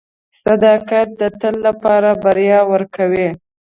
• صداقت د تل لپاره بریا ورکوي.